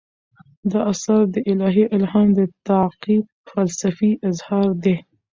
دا اثر د الهي الهام د تعقیب فلسفي اظهار دی.